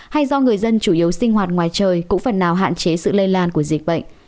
hay do người dân chủ yếu sinh hoạt ngoài trời cũng phần nào hạn chế sự lây lan của dịch bệnh